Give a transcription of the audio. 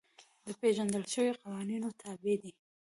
د پېژندل شویو قوانینو تابع دي.